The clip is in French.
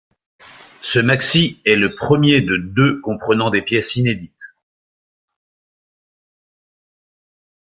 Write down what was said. Ce maxi est le premier de deux comprenant des pièces inédites.